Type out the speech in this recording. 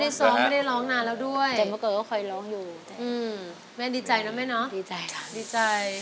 ดีใจเนอะว่าเนี่ย